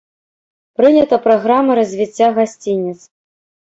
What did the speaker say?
Прынята праграма развіцця гасцініц.